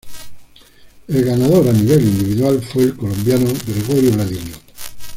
El ganador a nivel individual fue el colombiano Gregorio Ladino.